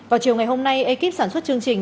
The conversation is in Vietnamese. vào chiều ngày hôm nay ekip sản xuất chương trình